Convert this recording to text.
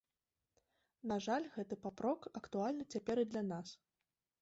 На жаль, гэты папрок актуальны цяпер і для нас.